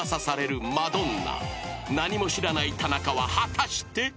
［何も知らない田中は果たして？］